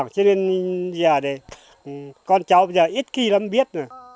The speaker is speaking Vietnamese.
cho nên con cháu bây giờ ít khi lắm biết